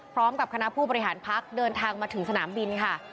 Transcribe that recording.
พร้อมกับคณะผู้บริหารพักเดินทางมาถึงสนามบินค่ะ